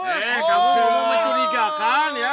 eh kamu mau mencurigakan ya